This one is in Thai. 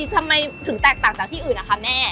ทำไมถึงแตกต่างจากที่อื่นนะคะแม่